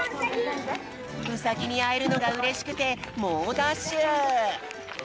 ウサギにあえるのがうれしくてもうダッシュ。